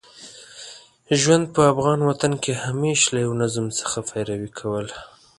ژوند په افغان وطن کې همېشه له یوه نظم څخه پیروي کوله.